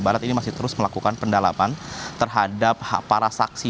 barat ini masih terus melakukan pendalaman terhadap para saksi